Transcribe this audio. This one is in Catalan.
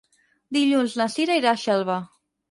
Dilluns na Cira irà a Xelva.